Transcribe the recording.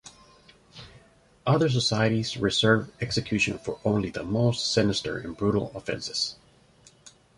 Other societies reserve execution for only the most sinister and brutal offenses.